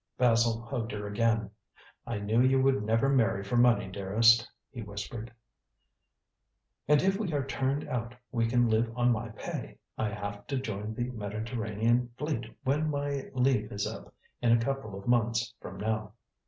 Basil hugged her again. "I knew you would never marry for money, dearest," he whispered. "And if we are turned out we can live on my pay. I have to join the Mediterranean Fleet when my leave is up in a couple of months from now.